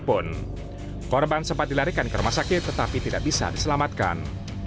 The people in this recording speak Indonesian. pun korban sempat dilarikan ke rumah sakit tetapi tidak bisa diselamatkan